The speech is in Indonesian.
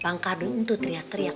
bangka dulu itu teriak teriak